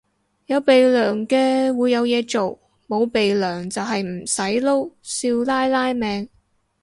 有鼻樑嘅會有嘢做，冇鼻樑就係唔使撈少奶奶命